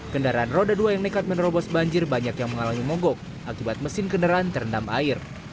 kendaraan roda dua yang nekat menerobos banjir banyak yang mengalami mogok akibat mesin kendaraan terendam air